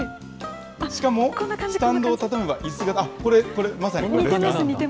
しかも、スタンドを畳めばイス型、これ、まさにこれですか。